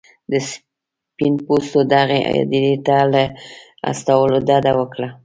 د سپین پوستو دغې هدیرې ته له استولو ډډه وکړه.